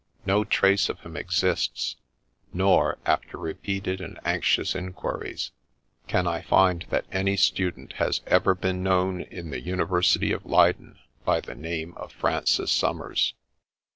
No trace of him exists, nor, after repeated and anxious inquiries, can I find that any student has ever been known in the University of Leyden by the name of Francis Somers.